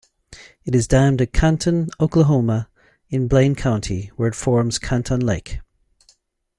It is dammed at Canton, Oklahoma in Blaine County where it forms Canton Lake.